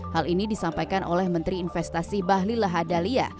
hal ini disampaikan oleh menteri investasi bahlila hadalia